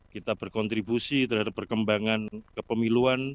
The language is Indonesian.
kita berkontribusi terhadap perkembangan kepemiluan